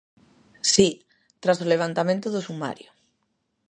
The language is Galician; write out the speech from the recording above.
Si, tras o levantamento do sumario...